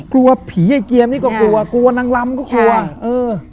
กลัวผีไอ้เจียมนี่ก็กลัวกลัวนางลำก็กลัวเออ